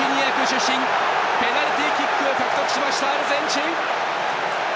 ペナルティーキックを獲得しました、アルゼンチン！